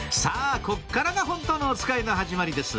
ここからが本当のおつかいの始まりです